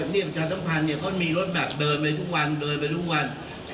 เนี่ยประชาสัมพันธ์เนี่ยมีลดแบบเดินไปทุกวัน